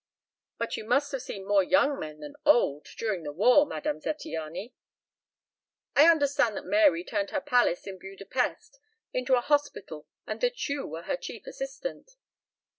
"But you must have seen more young men than old during the war, Madame Zattiany. I understand that Mary turned her palace in Buda Pesth into a hospital and that you were her chief assistant."